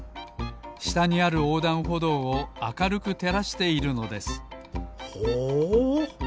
したにあるおうだんほどうをあかるくてらしているのですほう。